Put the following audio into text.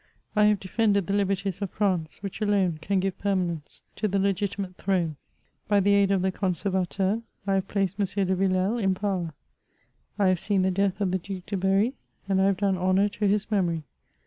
I have defended the liberties of France, which alone can give permanence to the legitimate throne. By the aid of the ConservtUeur, 1 have placed M. de Villele in power ; I have seen the death of the Due de Berry, and I have done honour to his memory.